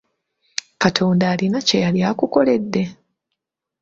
Katonda alina kye yali akukoledde?